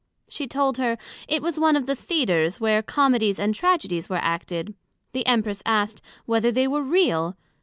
she told her, It was one of the Theatres where Comedies and Tragedies were acted. The Empress asked, Whether they were real?